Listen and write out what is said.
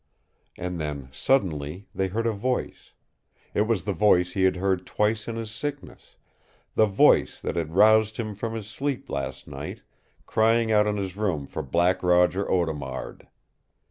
And then, suddenly, they heard a voice. It was the voice he had heard twice in his sickness, the voice that had roused him from his sleep last night, crying out in his room for Black Roger Audemard.